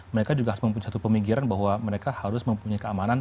mereka juga harus mempunyai satu pemikiran bahwa mereka harus mempunyai keamanan